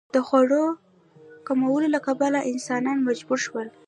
د خوړو کموالي له کبله انسانان مجبور شول.